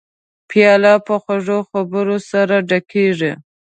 پیاله په خوږو خبرو سره ډکېږي.